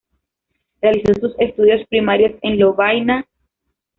Realizó sus estudios primarios en Lovaina.